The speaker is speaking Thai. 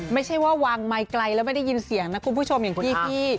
ไม่ใช่ว่าวางไมค์ไกลแล้วไม่ได้ยินเสียงนะคุณผู้ชมอย่างที่พี่